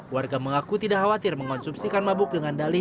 warga mengaku tidak khawatir mengonsumsikan mabuk dengan dalih